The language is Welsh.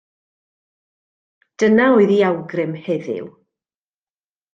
Dyna oedd ei awgrym heddiw.